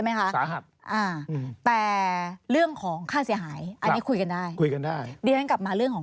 มีทุกโรงบัน